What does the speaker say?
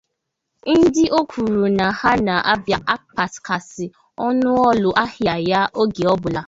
ndị o kwuru na ha na-abịa akpakasị ọnụ ụlọ ahịa ya oge ọbụla